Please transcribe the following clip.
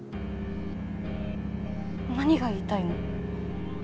何が言いたいの？